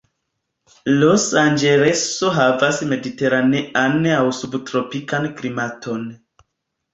Los Anĝeleso havas mediteranean aŭ subtropikan klimaton.